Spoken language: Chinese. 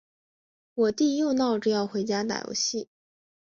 我弟又闹着要回家打游戏。